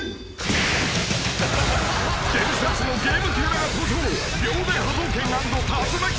［伝説のゲームキャラが登場］